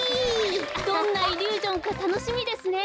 どんなイリュージョンかたのしみですね。